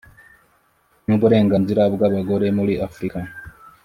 N uburenganzira bw abagore muri afurika